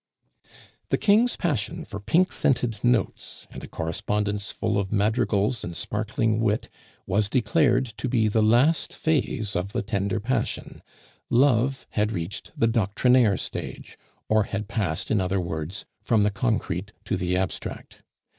The King's passion for pink scented notes and a correspondence full of madrigals and sparkling wit was declared to be the last phase of the tender passion; love had reached the Doctrinaire stage; or had passed, in other words, from the concrete to the abstract.